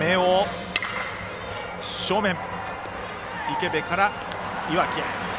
池邉から岩城へ。